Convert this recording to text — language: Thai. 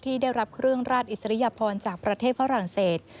ที่ได้รับเครื่องราชอิสริยพรจากประเทศฝรั่งเศส